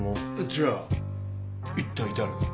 じゃあ一体誰が？